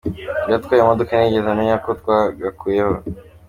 Uwari atwaye imodoka ntiyigeze amenya ko twagakuyeho.